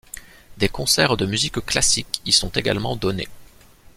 Des concerts de musique classique y sont également donnés.